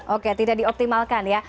oke tidak dioptimalkan ya